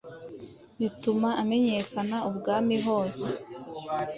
bituma amenyekana ibwami hose